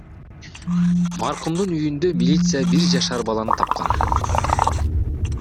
Маркумдун үйүндө милиция бир жашар баланы тапкан.